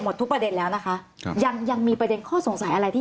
ทุกประเด็นแล้วนะคะครับยังยังมีประเด็นข้อสงสัยอะไรที่